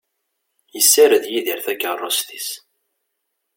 Yessared Yidir takerrust-is.